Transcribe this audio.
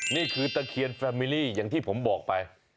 นี่คือตะเคียนแฟมิลี่อย่างที่ผมบอกไป